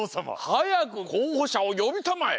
はやくこうほしゃをよびたまえ！